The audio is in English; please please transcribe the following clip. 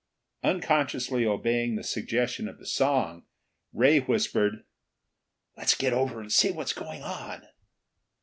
Unconsciously obeying the suggestion of the song, Ray whispered, "Let's get over and see what's going on."